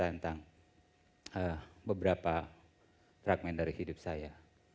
tentang beberapa fragment dari hidup saya